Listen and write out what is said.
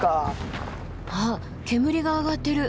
あっ煙が上がってる。